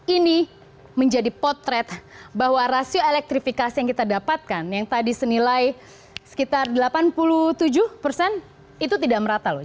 ini menjadi potret bahwa rasio elektrifikasi yang kita dapatkan yang tadi senilai sekitar delapan puluh tujuh persen itu tidak merata loh